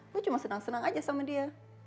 gue cuma senang senang aja sama dia